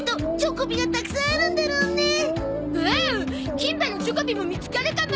金歯のチョコビも見つかるかも！